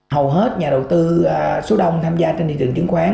hầu hết nhà đầu tư số đông tham gia trên thị trường chứng khoán